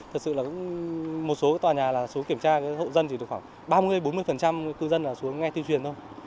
thật sự là một số tòa nhà là xuống kiểm tra hộ dân thì khoảng ba mươi bốn mươi cư dân là xuống nghe tuyên truyền thôi